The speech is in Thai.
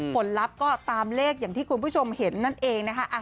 ผลลัพธ์ก็ตามเลขอย่างที่คุณผู้ชมเห็นนั่นเองนะคะ